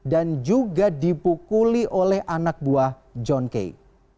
dan juga dipukuli oleh anak buah john kay